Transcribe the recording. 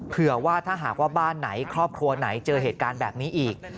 เผื่อว่าถ้าหากว่าบ้านไหนครอบครัวไหนเจอเหตุการณ์แบบนี้อีก